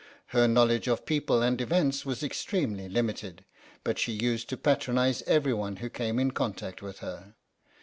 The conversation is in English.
Her knowledge of people and events was extremely limited ; but she used to patronise every one who came in contact with her.